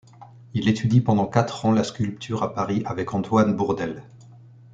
Il étudie pendant quatre ans la sculpture à Paris avec Antoine Bourdelle.